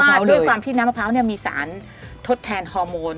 ใช่ค่ะเพราะว่าด้วยความที่น้ำมะพร้าวเนี่ยมีสารทดแทนฮอร์โมน